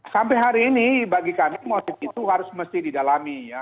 sampai hari ini bagi kami motif itu harus mesti didalami ya